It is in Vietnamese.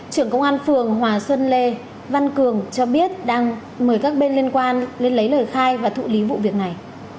trưởng công an phường hòa xuân lê văn cường cho biết đang mời các bên liên quan lên lấy lời khai và thụ lý vụ việc này